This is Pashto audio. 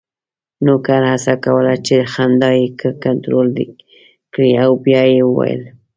نوکر هڅه کوله چې خندا یې کنټرول کړي او بیا یې وویل: